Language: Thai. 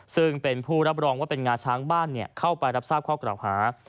ซึ่งเป็นผู้รับรองว่าเป็นงาช้างบ้านเข้าไปรับทราบข้อกล่าวหา